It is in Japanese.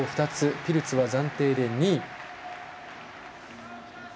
ピルツは暫定で２位。